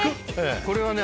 これはね